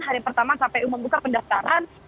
hari pertama kpu membuka pendaftaran